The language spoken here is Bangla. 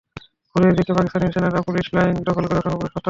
ভোরের দিকে পাকিস্তানি সেনারা পুলিশ লাইন দখল করে অসংখ্য পুলিশকে হত্যা করে।